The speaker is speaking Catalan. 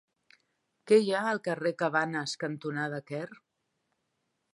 Què hi ha al carrer Cabanes cantonada Quer?